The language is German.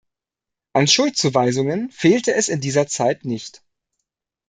An Schuldzuweisungen fehlte es in dieser Zeit nicht.